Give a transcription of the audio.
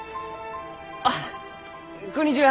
あっこんにちは。